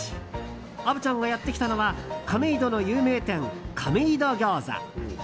虻ちゃんがやってきたのは亀戸の有名店、亀戸餃子。